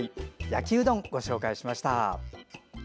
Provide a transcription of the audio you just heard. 焼きうどんご紹介しました。